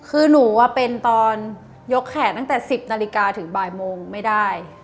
คือหนูเป็นตอนยกแขนตั้งแต่๑๐นาฬิกาถึงบ่ายโมงไม่ได้